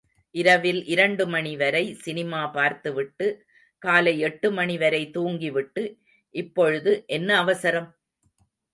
இரவில் இரண்டு மணி வரை சினிமா பார்த்துவிட்டு, காலை எட்டு மணிவரை தூங்கிவிட்டு, இப்பொழுது என்ன அவசரம்?